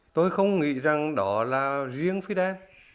tôi không nghĩ rằng đó là riêng fidel